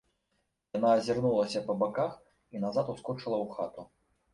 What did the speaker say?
Яна азірнулася па баках і назад ускочыла ў хату.